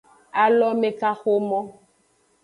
Alomekaxomo.